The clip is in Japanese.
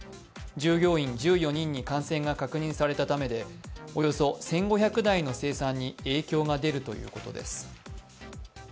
従業員１４人に感染が確認されたためで、およそ１５００台の生産に影響が出るということです。